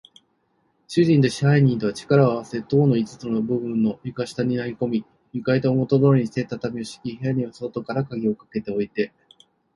主人と支配人とは、力をあわせて塔の五つの部分を床下に投げこみ、床板をもとどおりにして、畳をしき、部屋には外からかぎをかけておいて、